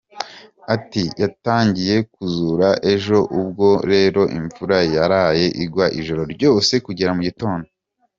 Ati “Yatangiye kuzura ejo, ubwo rero imvura yaraye igwa ijoro ryose kugera mu gitondo.